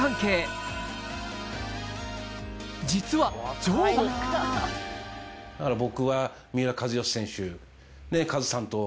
実は城も僕は三浦知良選手。